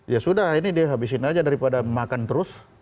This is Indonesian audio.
ya sudah ini dia habisin aja daripada makan terus